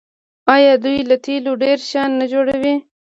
آیا دوی له تیلو ډیر شیان نه جوړوي؟